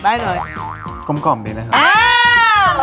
ได้ซื้อซ่อมด้วยค่ะเชฟ